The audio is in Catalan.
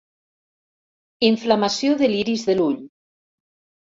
Inflamació de l'iris de l'ull.